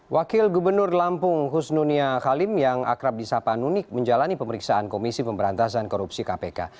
wakil gubernur lampung husnunia halim yang akrab di sapa nunik menjalani pemeriksaan komisi pemberantasan korupsi kpk